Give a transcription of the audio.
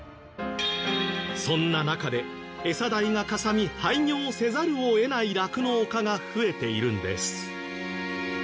そんな中で餌代がかさみ廃業せざるを得ない酪農家が増えているんです。